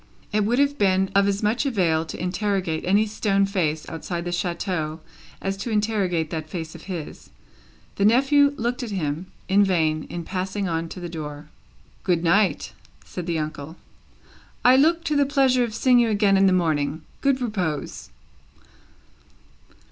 It would have been of as much avail to interrogate any stone face outside the chateau as to interrogate that face of his. The nephew looked at him, in vain, in passing on to the door. "Good night!" said the uncle. "I look to the pleasure of seeing you again in the morning. Good repose!